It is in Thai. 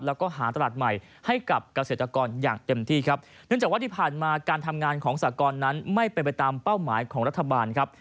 แล้วก็หาตลาดใหม่ให้กับเกษตรกรอย่างเต็มที่ครับเนื่องจากว่าที่ผ่านมาการทำงานของสากรนั้นไม่เป็นไปตามเป้าหมายของรัฐบาลครับ